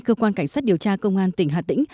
cơ quan cảnh sát điều tra công an tỉnh hà tĩnh